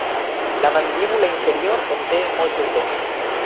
La mandíbula inferior conté moltes dents.